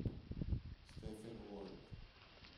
Stephen Ward